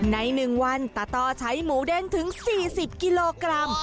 ใน๑วันตาตอใช้หมูเด้งถึง๔๐กิโลกรัม